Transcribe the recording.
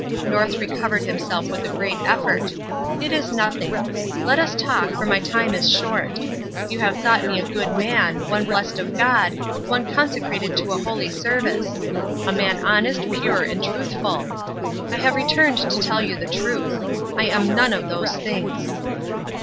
North recovered himself with a great effort. "It is nothing. Let us talk, for my time is short. You have thought me a good man one blessed of God, one consecrated to a holy service; a man honest, pure, and truthful. I have returned to tell you the truth. I am none of these things."